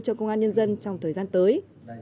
cho công an nhân dân trong thời gian tới